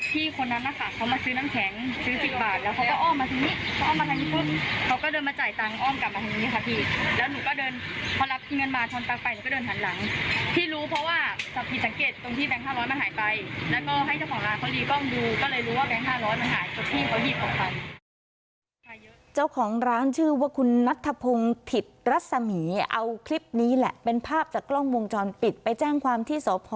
พี่คนนั้นนะคะเขามาซื้อน้ำแข็งซื้อ๑๐บาทแล้วเขาก็อ้อมมาทางนี้เขาก็อ้อมมาทางนี้พึ่งเขาก็เดินมาจ่ายตังอ้อมกลับมาทางนี้ค่ะพี่แล้วหนูก็เดินพอรับเงินมาทนตักไปหนูก็เดินหันหลังพี่รู้เพราะว่าสับผิดสังเกตตรงที่แบงค์๕๐๐มันหายไปแล้วก็ให้เจ้าของร้านพอลีกล้องดูก็เลยรู้ว่าแบงค์๕๐๐มันหายจากที่เขา